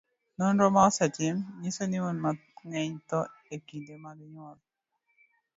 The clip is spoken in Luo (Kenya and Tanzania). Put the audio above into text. nonro mosetim nyiso ni mon mang'eny tho e kinde mag nyuol.